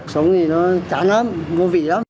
sống thì nó chán lắm vô vị lắm